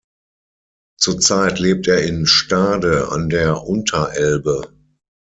Zurzeit lebt er in Stade an der Unterelbe.